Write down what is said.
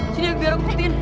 sini biar aku putin